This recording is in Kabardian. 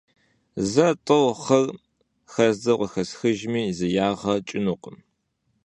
Зэ-тӀэу хъыр хэздзэу къыхэсхыжми зы ягъэ кӀынукъым…